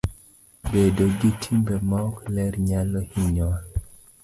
Bedo gi timbe maok ler nyalo hinyowa.